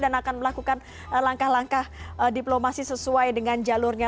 dan akan melakukan langkah langkah diplomasi sesuai dengan jalurnya